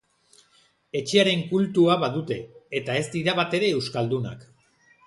Etxearen kultua badute, eta ez dira batere euskaldunak.